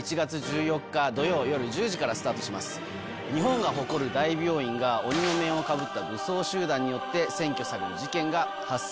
日本が誇る大病院が鬼の面をかぶった武装集団によって占拠される事件が発生。